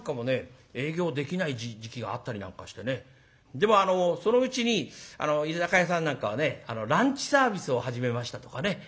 でもあのそのうちに居酒屋さんなんかはねランチサービスを始めましたとかね